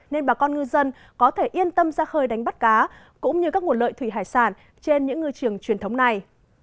nên bà con ngư dân có thể yên tâm ra khơi đánh bắt cá cũng như các nguồn lợi thủy hải sản trên những ngư trường truyền thống này